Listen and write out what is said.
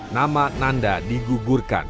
nama nanda digugurkan